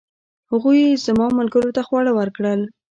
هغوی زما ملګرو ته خواړه ورکړل.